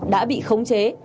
đã bị khống chế